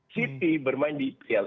city bermain di ipl